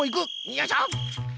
よいしょっ！